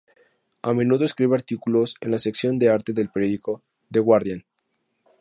A menudo escribe artículos en la sección de arte del periódico "The Guardian".